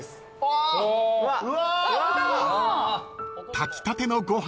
［炊きたてのご飯］